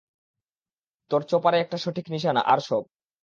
তোর চপারে একটা সঠিক নিশানা আর সব!